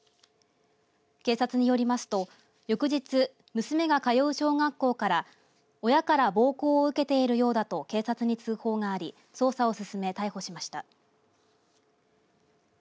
警察によりますと翌日、娘が通う小学校から親から暴行を受けているようだと警察に通報があり捜査を進め、逮捕しました。